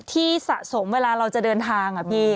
สะสมเวลาเราจะเดินทางอะพี่